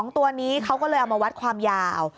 ตัวนี้เขาก็เลยเอามาวัดความยาว